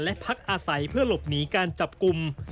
และพักอาศัยเพื่อหลบหนีการจับกลุ่ม